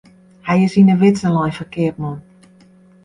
Hy is yn 'e widze lein foar keapman.